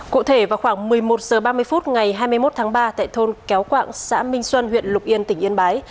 cụ thể vào khoảng một mươi một h ba mươi phút ngày hai mươi một tháng ba tại thôn kéo quạng xã minh xuân huyện lục yên tỉnh yên bái